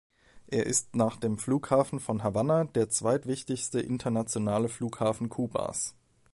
Er ist nach dem Flughafen von Havanna der zweitwichtigste internationale Flughafen Kubas.